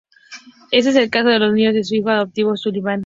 Este es el caso de los niños de su hijo adoptivo Sullivan.